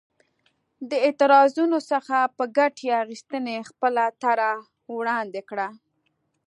د اعتراضونو څخه په ګټې اخیستنې خپله طرحه وړاندې کړه.